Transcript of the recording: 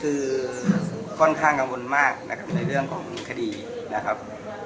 คือค่อนข้างกังวลมากนะครับในเรื่องของคดีนะครับ